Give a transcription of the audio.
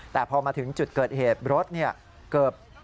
แต่พอมาถึงจุดเกิดเหตุรถเกือบ